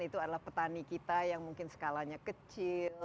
itu adalah petani kita yang mungkin skalanya kecil